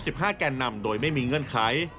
ห้าแก่นนำโดยไม่มีเงื่อนไข